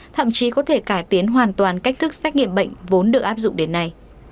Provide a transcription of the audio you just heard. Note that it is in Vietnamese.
thậm chí có thể cải tiến hoàn toàn cách thức xét nghiệm bệnh vốn được áp dụng đến nay